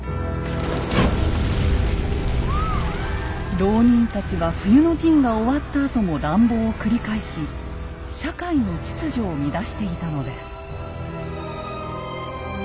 牢人たちは冬の陣が終わったあとも乱暴を繰り返し社会の秩序を乱していたのです。